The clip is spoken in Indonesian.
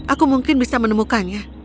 aku mungkin bisa menemukannya